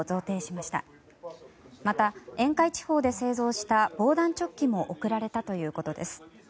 また、沿海地方で製造した防弾チョッキも贈られたということです。